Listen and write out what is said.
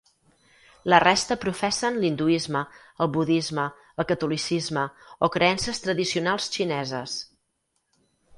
La resta professen l'hinduisme, el budisme, el catolicisme o creences tradicionals xineses.